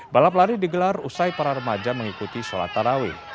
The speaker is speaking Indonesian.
balap lari digelar usai para remaja mengikuti sholat taraweh